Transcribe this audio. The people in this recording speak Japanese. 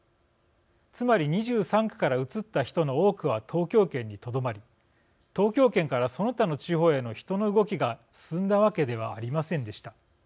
つまり２３区から移った人の多くは東京圏にとどまり、東京圏からその他の地方への人の動きが進んだわけではありませんでした。